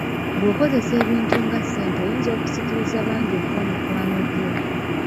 Bw'okozesa ebintu nga ssente oyinza osikiriza bangi okuba mikwano gyo.